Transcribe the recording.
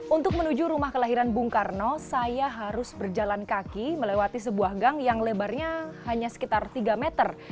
untuk menuju rumah kelahiran bung karno saya harus berjalan kaki melewati sebuah gang yang lebarnya hanya sekitar tiga meter